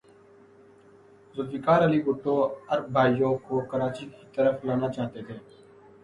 ذوالفقار علی بھٹو عرب بھائیوں کو کراچی کی طرف لانا چاہتے تھے۔